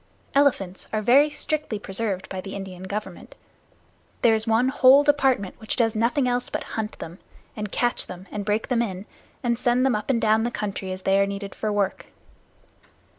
Elephants are very strictly preserved by the Indian Government. There is one whole department which does nothing else but hunt them, and catch them, and break them in, and send them up and down the country as they are needed for work.